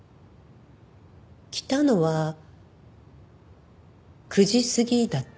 来たのは９時過ぎだった。